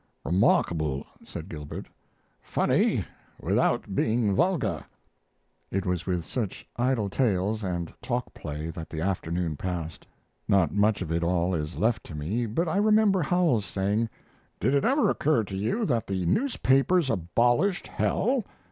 "Remarkable," said Gilbert. "Funny without being vulgar." It was with such idle tales and talk play that the afternoon passed. Not much of it all is left to me, but I remember Howells saying, "Did it ever occur to you that the newspapers abolished hell?